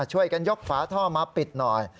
ช่วยกันยกฝาท่อมาปิดหน่อย